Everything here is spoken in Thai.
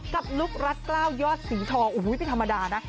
กับลูกรัดก้าวยอดสีทองโอ้ยเป็นธรรมดานะ